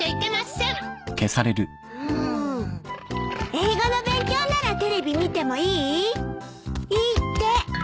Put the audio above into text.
英語の勉強ならテレビ見てもいい？いいって！